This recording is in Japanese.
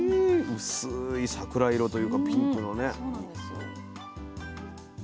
薄い桜色というかピンクのね。